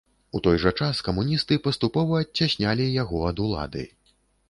У той жа час камуністы паступова адцяснялі яго ад улады.